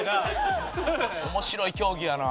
面白い競技やな。